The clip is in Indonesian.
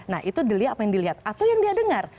nah itu dilihat apa yang dilihat atau yang dia dengar